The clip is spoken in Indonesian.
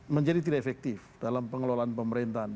menjadi tidak efektif dalam pengelolaan pemerintahan